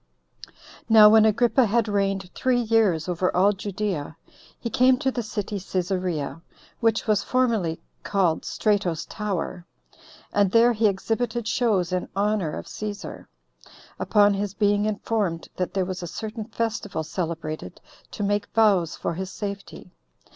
2. Now when Agrippa had reigned three years over all Judea, he came to the city Cæsarea, which was formerly called Strato's Tower; and there he exhibited shows in honor of Cæsar, upon his being informed that there was a certain festival celebrated to make vows for his safety.